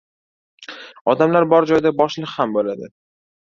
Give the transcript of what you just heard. • Odamlar bor joyda boshliq ham bo‘ladi.